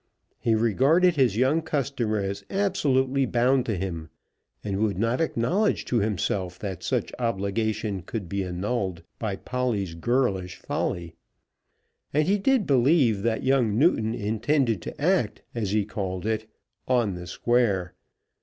He regarded his young customer as absolutely bound to him, and would not acknowledge to himself that such obligation could be annulled by Polly's girlish folly. And he did believe that young Newton intended to act, as he called it, "on the square."